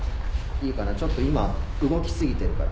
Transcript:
ちょっと今動き過ぎてるから。